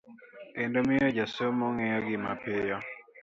kendo miyo jasomo ng'eyogi mapiyo